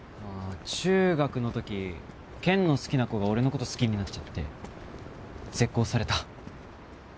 中学の時ケンの好きな子が俺の事好きになっちゃって絶交された。